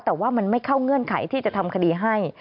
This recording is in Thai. แต่ว่ามันไม่เข้าเงื่อนไขที่จะทำคดีให้